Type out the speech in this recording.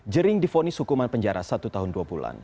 jering difonis hukuman penjara satu tahun dua bulan